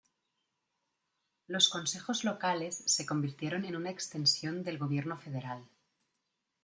Los Consejos Locales se convirtieron en una extensión del gobierno Federal.